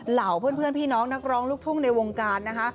เหล่าเพื่อนพี่น้องนักร้องลูกทุ่งในวงการนะคะ